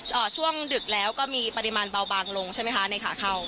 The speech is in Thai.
อ่าช่วงดึกแล้วก็มีปริมาณเบาบางลงใช่ไหมคะในขาเข้า